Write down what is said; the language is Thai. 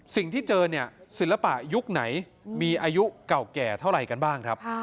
สิ่งที่เจอเนี่ยศิลปะยุคไหนมีอายุเก่าแก่เท่าไหร่กันบ้างครับ